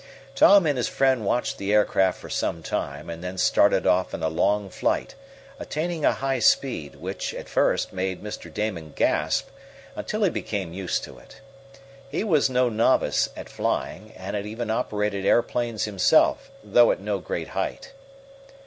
Tom and his friend watched the aircraft for some time, and then started off in a long flight, attaining a high speed, which, at first, made Mr. Damon gasp, until he became used to it. He was no novice at flying, and had even operated aeroplanes himself, though at no great height.